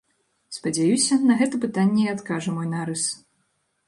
Спадзяюся, на гэта пытанне і адкажа мой нарыс.